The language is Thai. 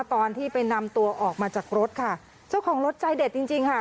ตอนที่ไปนำตัวออกมาจากรถค่ะเจ้าของรถใจเด็ดจริงจริงค่ะ